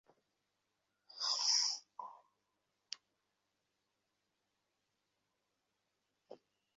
ফেসবুকের জনপ্রিয় game Candy Crush Saga নির্মাতা প্রতিষ্ঠান কিং এটি তৈরি করেছে।